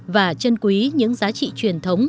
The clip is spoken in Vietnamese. và chân quý những giá trị truyền thống